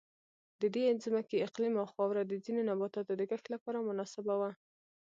د دې ځمکې اقلیم او خاوره د ځینو نباتاتو د کښت لپاره مناسبه وه.